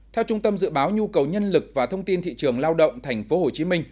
theo trung tâm dự báo nhu cầu nhân lực và thông tin thị trường lao động tp hcm